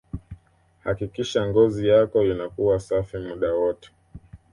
hakikisha ngozi yako inakuwa safi muda wote